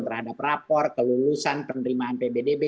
terhadap rapor kelulusan penerimaan pbdb